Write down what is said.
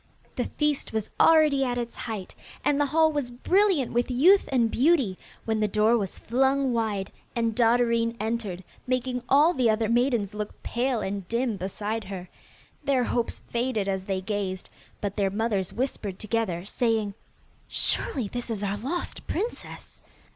The feast was already at its height, and the hall was brilliant with youth and beauty, when the door was flung wide and Dotterine entered, making all the other maidens look pale and dim beside her. Their hopes faded as they gazed, but their mothers whispered together, saying, 'Surely this is our lost princess!